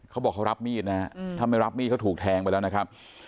เขาบอกเขารับมีดนะฮะถ้าไม่รับมีดเขาถูกแทงไปแล้วนะครับ